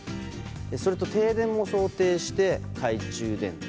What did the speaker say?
それと停電も想定して、懐中電灯